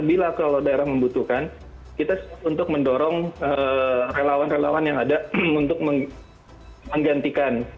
bila kalau daerah membutuhkan kita untuk mendorong relawan relawan yang ada untuk menggantikan